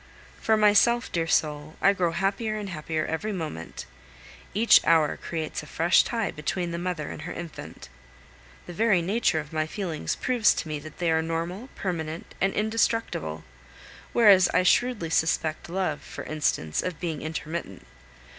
For myself, dear soul, I grow happier and happier every moment. Each hour creates a fresh tie between the mother and her infant. The very nature of my feelings proves to me that they are normal, permanent, and indestructible; whereas I shrewdly suspect love, for instance, of being intermittent.